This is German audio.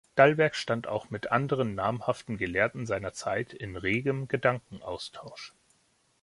Dalberg stand auch mit anderen namhaften Gelehrten seiner Zeit in regem Gedankenaustausch.